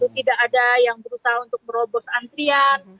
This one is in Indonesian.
tidak ada yang berusaha untuk merobos antrian